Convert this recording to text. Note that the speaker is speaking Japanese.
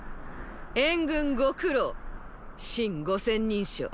援軍ご苦労信五千人将。